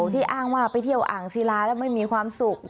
ที่อ้างว่าไปเที่ยวอ่างศิลาแล้วไม่มีความสุข